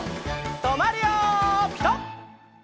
とまるよピタ！